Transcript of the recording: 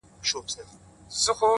• ورته وغوړوي مخ ته د مرګ پړی ,